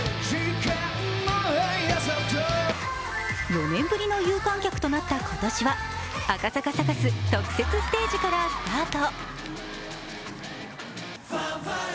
４年ぶりの有観客となった今年は赤坂サカス特設ステージからスタート。